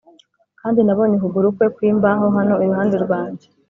kandi nabonye ukuguru kwe kwimbaho hano iruhande rwanjye.